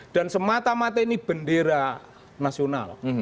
dan semata mata ini bendera nasional